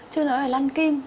chưa nói là lăn kim